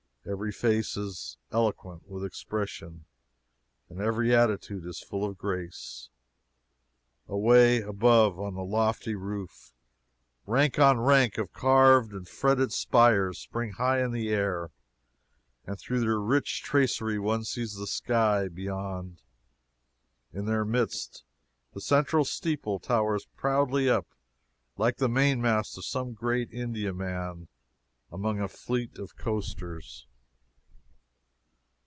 Every face is eloquent with expression, and every attitude is full of grace. Away above, on the lofty roof, rank on rank of carved and fretted spires spring high in the air, and through their rich tracery one sees the sky beyond. In their midst the central steeple towers proudly up like the mainmast of some great Indiaman among a fleet of coasters.